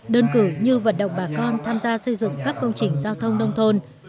đơn cử như vận động bà con tham gia xây dựng các công trình giao thông nông thôn